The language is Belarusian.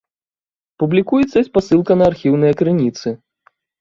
Публікуецца і спасылка на архіўныя крыніцы.